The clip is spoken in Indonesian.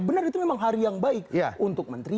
benar itu memang hari yang baik untuk menteri